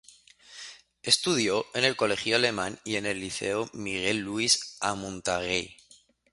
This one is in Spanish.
Estudió en el Colegio Alemán y en el Liceo Miguel Luis Amunátegui.